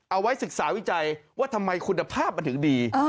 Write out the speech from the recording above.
เอาไว้ศึกษาวิจัยว่าทำไมคุณภาพมันถึงดี